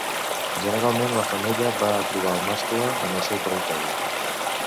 Generalment la femella va a trobar el mascle en el seu territori.